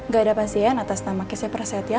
gak ada pasien atas nama kese prasetya